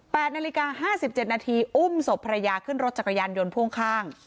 นาฬิกาห้าสิบเจ็ดนาทีอุ้มศพภรรยาขึ้นรถจักรยานยนต์พ่วงข้าง